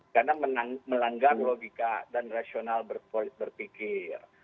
karena melanggar logika dan rasional berpikir